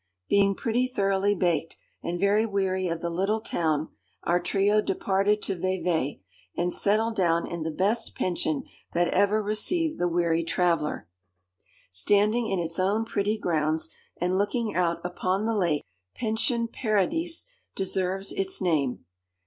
Being pretty thoroughly baked, and very weary of the little town, our trio departed to Vevey, and settled down in the best pension that ever received the weary traveller. Standing in its own pretty grounds, and looking out upon the lake, Pension Paradis deserves its name.